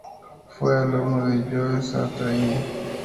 Fue alumno de Joe Satriani.